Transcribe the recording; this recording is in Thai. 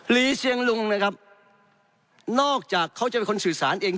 รีเชียงลุงนะครับนอกจากเขาจะเป็นคนสื่อสารเอง